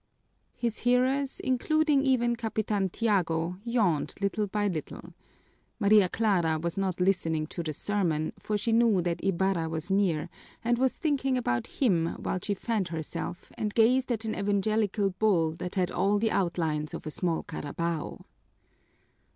His hearers, including even Capitan Tiago, yawned little by little. Maria Clara was not listening to the sermon, for she knew that Ibarra was near and was thinking about him while she fanned herself and gazed at an evangelical bull that had all the outlines of a small carabao.